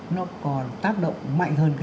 nó còn tác động mạnh hơn